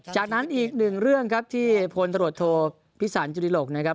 จากนั้นอีกหนึ่งเรื่องครับที่พลตรวจโทพิสันจุฬิหลกนะครับ